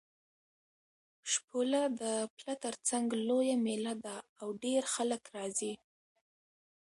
شپوله د پله تر څنګ لویه مېله ده او ډېر خلک راځي.